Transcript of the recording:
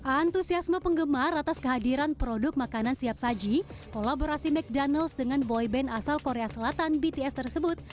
antusiasme penggemar atas kehadiran produk makanan siap saji kolaborasi ⁇ mcdonalds ⁇ dengan boyband asal korea selatan bts tersebut